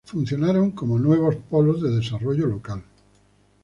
Funcionaron como nuevos polos de desarrollo local.